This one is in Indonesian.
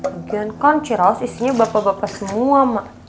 lagian kan ciraos isinya bapak bapak semua mak